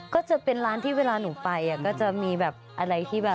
ก็จะเป็นร้านที่เวลาหนูไปก็จะมีแบบอะไรที่แบบ